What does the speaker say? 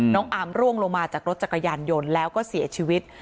อามร่วงลงมาจากรถจักรยานยนต์แล้วก็เสียชีวิต